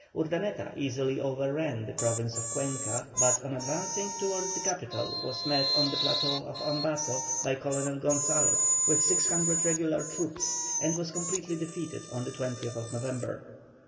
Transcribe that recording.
Urdaneta easily overran the Province of Cuenca, but on advancing towards the capital was met on the plateau of Ambato by Colonel Gonzalez, with 600 regular troops, and was completely defeated, on the 20th November.